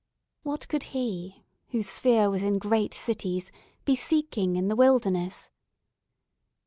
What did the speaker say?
What, could he, whose sphere was in great cities, be seeking in the wilderness?